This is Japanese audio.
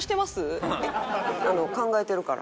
あの考えてるから。